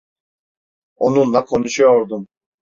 Onunla konuşuyordum.